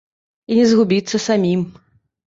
І не згубіцца самім.